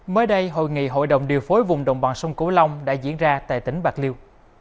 mới đây hội nghị hội đồng điều phối vùng đồng bằng sông cửu long đã diễn ra tại tỉnh bạc liêu